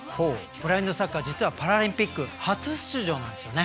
ブラインドサッカー実はパラリンピック初出場なんですよね。